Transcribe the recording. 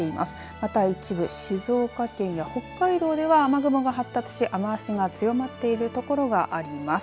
また一部静岡県や北海道では雨雲が発達し雨足が強まっている所があります。